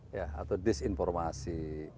ya atau disinformasi